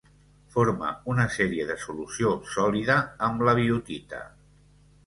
Forma una sèrie de solució sòlida amb la biotita.